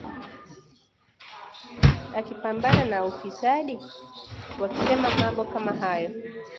akipambana na ufisadi? Wakisema mambo kama hayo